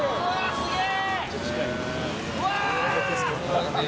すげえ。